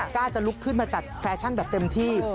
กล้าจะลุกขึ้นมาจัดแฟชั่นแบบเต็มที่